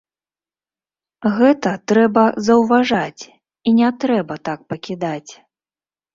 Гэта трэба заўважаць і не трэба так пакідаць.